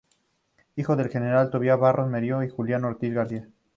Hijo del General Tobías Barros Merino y Julia Ortiz García.